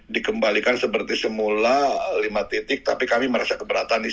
dikembalikan seperti semula lima titik tapi kami merasa keberatan ini ya pak